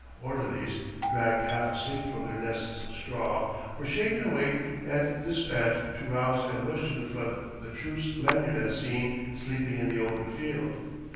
Orderlies, dragged half asleep from their nests of straw, were shaken awake and despatched to rouse and rush to the front the troops Lanyard had seen sleeping in the open field.